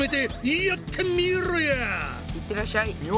いってらっしゃい！